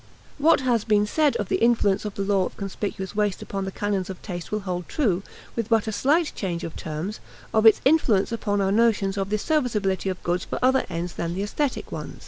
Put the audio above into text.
What has been said of the influence of the law of conspicuous waste upon the canons of taste will hold true, with but a slight change of terms, of its influence upon our notions of the serviceability of goods for other ends than the aesthetic one.